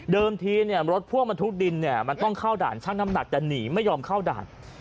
ทีรถพ่วงบรรทุกดินเนี่ยมันต้องเข้าด่านช่างน้ำหนักแต่หนีไม่ยอมเข้าด่าน